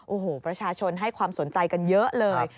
โอ้โหประชาชนให้ความสนใจกันเยอะเลย